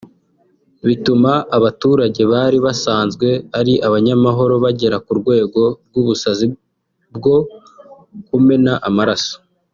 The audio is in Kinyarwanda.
bituma abaturage bari basanzwe ari abanyamahoro bagera ku rwego rw’ubusazi bwo kumena amaraso